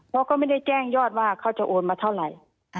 เพราะก็ไม่ได้แจ้งยอดว่าเขาจะโอนมาเท่าไหร่